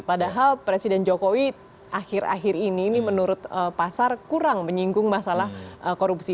padahal presiden jokowi akhir akhir ini ini menurut pasar kurang menyinggung masalah korupsi